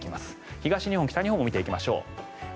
東日本、北日本を見ていきましょう。